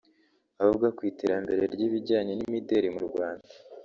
Avuga ku iterambere ry'ibijyanye n'imideli mu Rwanda